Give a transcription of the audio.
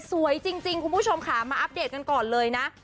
สวยจริงคุณผู้ชมค่ะมาอัปเดตกันก่อนเลยนะ